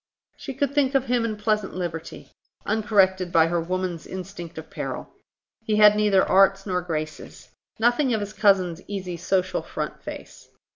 She could think of him in pleasant liberty, uncorrected by her woman's instinct of peril. He had neither arts nor graces; nothing of his cousin's easy social front face.